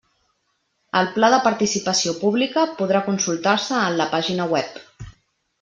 El pla de participació pública podrà consultar-se en la pàgina web.